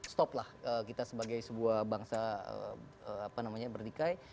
stop lah kita sebagai sebuah bangsa berdikai